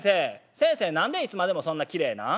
先生何でいつまでもそんなきれいなん？」。